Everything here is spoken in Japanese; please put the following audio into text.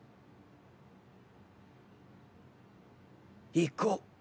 行こう。